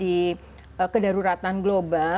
mengapa monkeypox ini menjadi kedaruratan global